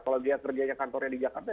kalau dia kerjanya kantornya di jakarta